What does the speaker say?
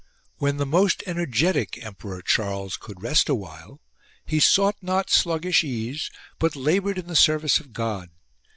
When the most energetic Emperor Charles could rest awhile he sought not sluggish case, but laboured in the service of God.